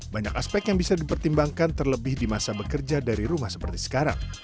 banyak aspek yang bisa dipertimbangkan terlebih di masa bekerja dari rumah seperti sekarang